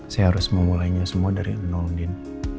saya harus memulainya semua dari nol din